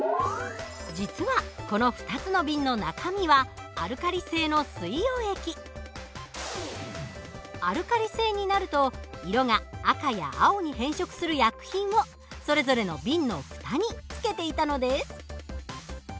実はこの２つの瓶の中身はアルカリ性になると色が赤や青に変色する薬品をそれぞれの瓶の蓋につけていたのです。